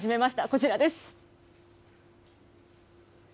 こちらです。